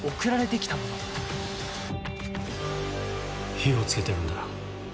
火を付けてるんだ。